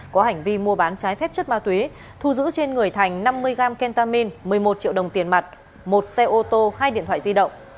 có hành vi mua bán trái phép chất ma túy thu giữ trên người thành năm mươi gram kentamine một mươi một triệu đồng tiền mặt một xe ô tô hai điện thoại di động